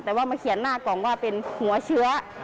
แต่ว่ามาเขียนหน้ากล่องว่าเป็นหัวเชื้อ